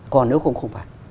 còn nếu không không phải